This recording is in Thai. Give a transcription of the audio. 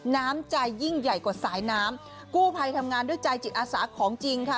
น้ำใจยิ่งใหญ่กว่าสายน้ำกู้ภัยทำงานด้วยใจจิตอาสาของจริงค่ะ